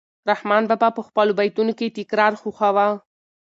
رحمان بابا په خپلو بیتونو کې تکرار خوښاوه.